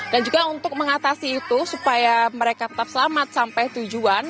dan juga untuk mengatasi itu supaya mereka tetap selamat sampai tujuan